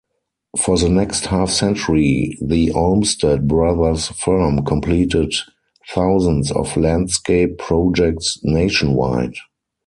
For the next half-century, the Olmsted brothers' firm completed thousands of landscape projects nationwide.